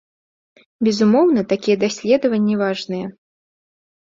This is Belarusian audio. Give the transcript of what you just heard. Безумоўна, такія даследаванні важныя.